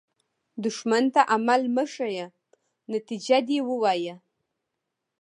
دښمن ته عمل مه ښیه، نتیجه دې ووایه